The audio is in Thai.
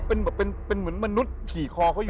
เป็นแบบเป็นเหมือนมนุษย์ขี่คอเขาอยู่